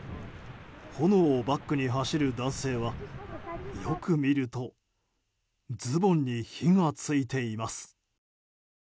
炎をバックに走る男性はよく見るとズボンに火が付いています。